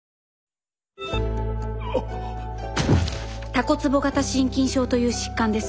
たこつぼ型心筋症という疾患です。